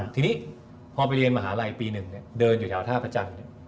ทีนี้พอไปเรียนมหาลัยปี๑เดินอยู่แถวท่าพระจันทร์